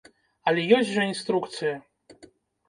Але ёсць жа інструкцыя!